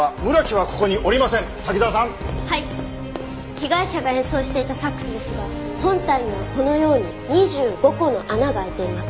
被害者が演奏していたサックスですが本体にはこのように２５個の穴が開いています。